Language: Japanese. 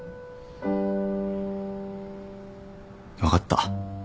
分かった。